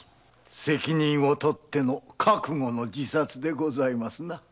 責任を取っての覚悟の自殺でございますな。